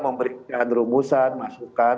memberikan rumusan masukan